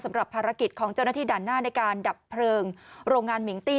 สำหรับภารกิจของเจ้าหน้าที่ด่านหน้าในการดับเพลิงโรงงานมิงตี้